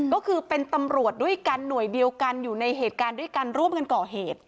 ก็คือเป็นตำรวจด้วยกันหน่วยเดียวกันอยู่ในเหตุการณ์ด้วยกันร่วมกันก่อเหตุ